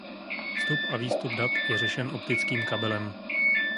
Vstup a výstup dat je řešen optickým kabelem.